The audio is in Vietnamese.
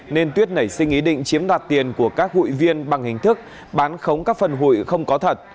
nên tuyết nảy sinh ý định chiếm đoạt tiền của các hụi viên bằng hình thức bán khống các phần hụi không có thật